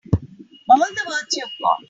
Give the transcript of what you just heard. All the words you've got.